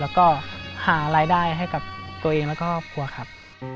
ให้เกิดประโยชน์แล้วก็หารายได้ให้กับตัวเองและครอบครัวครับ